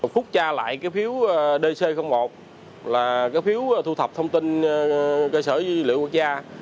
phút tra lại phiếu dc một là phiếu thu thập thông tin cơ sở dữ liệu quốc gia